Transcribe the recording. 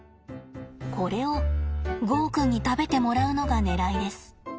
これをゴーくんに食べてもらうのがねらいです。